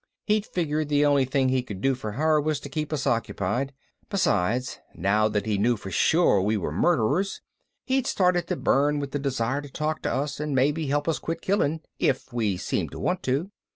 He'd figured the only thing he could do for her was keep us occupied. Besides, now that he knew for sure we were murderers he'd started to burn with the desire to talk to us and maybe help us quit killing if we seemed to want to.